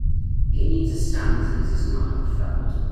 It needs a stand as it does not have a flat bottom.